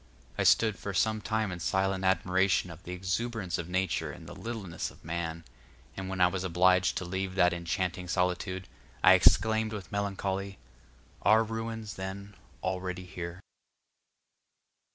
I stood for some time in silent admiration of the exuberance of Nature and the littleness of man: and when I was obliged to leave that enchanting solitude, I exclaimed with melancholy, "Are ruins, then, already here?"